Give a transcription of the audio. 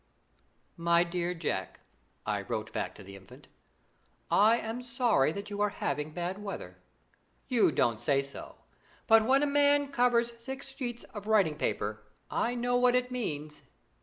"My dear Jack," I wrote back to the Infant, "I am so sorry that you are having bad weather. You don't say so, but when a man covers six sheets of writing paper I know what it means.